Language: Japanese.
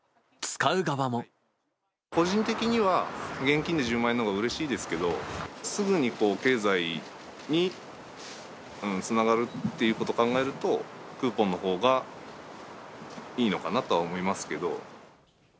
個人的には、現金で１０万円のほうがうれしいですけど、すぐに経済につながるっていうことを考えると、クーポンのほうがいいのかなとは思いますけど。